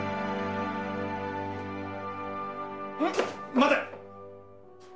待て！